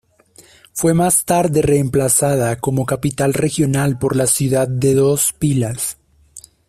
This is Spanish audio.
Fue más tarde reemplazada como capital regional por la ciudad de Dos Pilas.